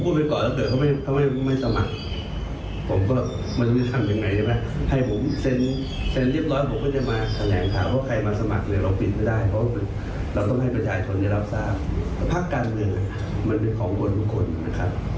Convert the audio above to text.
เราห้ามไม่ได้หรอก